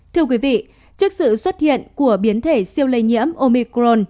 thưa quý vị trước sự xuất hiện của biến thể siêu lây nhiễm omicron